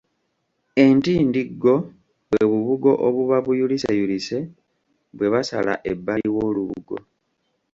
Entindiggo bwe bubugo obuba buyuliseyulise bwe basala ebbali w’olubugo.